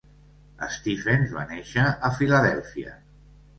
Stephens va néixer a Filadèlfia.